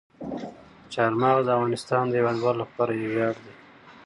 چار مغز د افغانستان د هیوادوالو لپاره یو ویاړ دی.